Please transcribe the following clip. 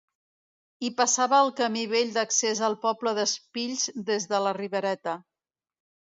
Hi passava el camí vell d'accés al poble d'Espills des de la Ribereta.